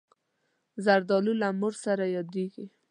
زردالو له مور سره یادېږي.